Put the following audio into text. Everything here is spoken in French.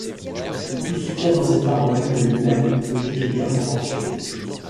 Tout se tient dans cet art venu de lui-même, logique et bien proportionné.